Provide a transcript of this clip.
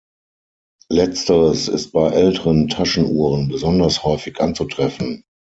Letzteres ist bei älteren Taschenuhren besonders häufig anzutreffen.